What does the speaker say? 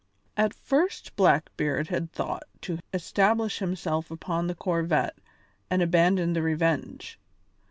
At first Blackbeard had thought to establish himself upon the corvette and abandon the Revenge.